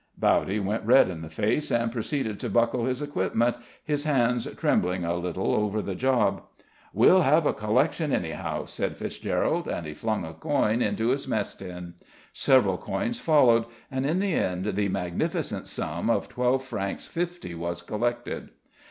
Bowdy went red in the face, and proceeded to buckle his equipment, his hands trembling a little over the job. "We'll have a collection, anyhow," said Fitzgerald, and he flung a coin into his mess tin. Several coins followed, and in the end the magnificent sum of twelve francs fifty was collected.